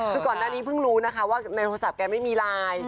คือก่อนหน้านี้เพิ่งรู้นะคะว่าในโทรศัพท์แกไม่มีไลน์